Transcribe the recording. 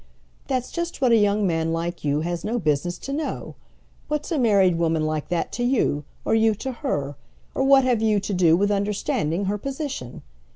"That's just what a young man like you has no business to know. What's a married woman like that to you, or you to her; or what have you to do with understanding her position?